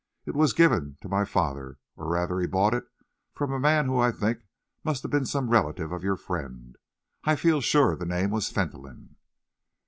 It was given to my father, or rather he bought it, from a man who I think must have been some relative of your friend. I feel sure the name was Fentolin."